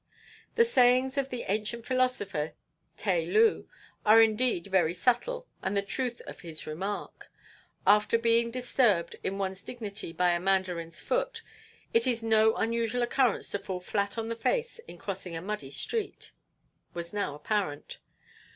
The sayings of the ancient philosopher Tai Loo are indeed very subtle, and the truth of his remark, "After being disturbed in one's dignity by a mandarin's foot it is no unusual occurrence to fall flat on the face in crossing a muddy street," was now apparent.